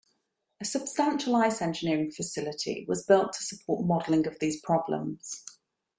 A substantial ice engineering facility was built to support modeling of these problems.